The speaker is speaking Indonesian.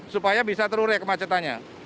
supaya bisa terure kemacetannya